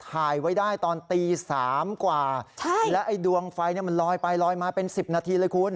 ถ่ายไว้ได้ตอนตี๓กว่าแล้วไอ้ดวงไฟมันลอยไปลอยมาเป็น๑๐นาทีเลยคุณ